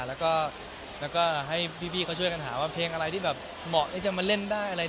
และก็ให้พี่เขาช่วยกันหาว่าเพลงอะไรมะว่าไม่ให้มาเล่นได้